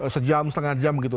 sejam setengah jam gitu